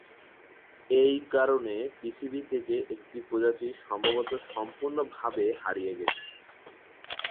এই কারণে পৃথিবী থেকে একটি প্রজাতি সম্ভবত সম্পূর্ণভাবে হারিয়ে গেছে।